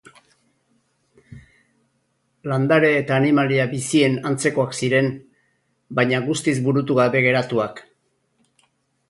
Landare eta animalia bizien antzekoak ziren, baina guztiz burutu gabe geratuak.